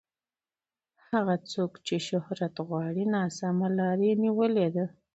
هغه څوک چې شهرت غواړي ناسمه لار یې نیولې ده.